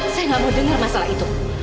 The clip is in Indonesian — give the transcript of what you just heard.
saya nggak mau dengar masalah itu